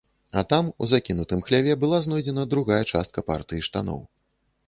А там, у закінутым хляве, была знойдзена другая частка партыі штаноў.